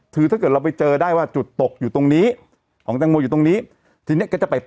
ถอดไหมคุณถอดไหม